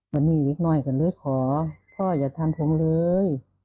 วันนี้อีกหน่อยก็เลยขอพ่ออย่าทำผมเลย